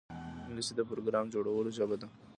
انګلیسي د پروګرام جوړولو ژبه ده